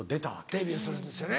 デビューするんですよね。